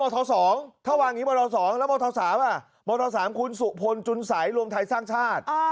รัฐมนตรีช่วยมศ๒ถ้าวางอย่างนี้มศ๒แล้วมศ๓มศ๓คุณสุพลจุนสัยรวมไทยสร้างชาติ